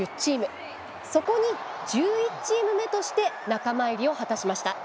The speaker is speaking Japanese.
そこに１１チーム目として仲間入りを果たしました。